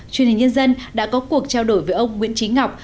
truyền hình nhân dân đã có cuộc trao đổi với ông nguyễn trí ngọc